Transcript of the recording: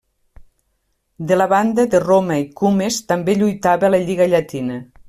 De la banda de Roma i Cumes també lluitava la lliga llatina.